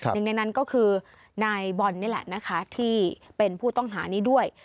หนึ่งในนั้นก็คือนายบอลนี่แหละนะคะที่เป็นผู้ต้องหานี้ด้วย